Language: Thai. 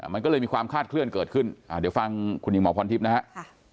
มันก็เลยมีความคาดเคลื่อนเกิดขึ้นเดี๋ยวฟังคุณหญิงหมอพรทิพย์นะครับ